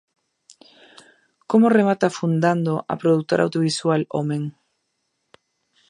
Como remata fundando a produtora audiovisual Omen?